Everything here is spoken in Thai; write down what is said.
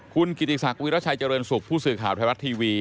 คุณกิติศักดิราชัยเจริญสุขผู้สื่อข่าวไทยรัฐทีวี